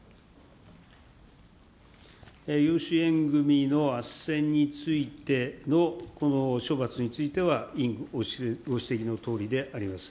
養子縁組みのあっせんについてのこの処罰については、委員、ご指摘のとおりであります。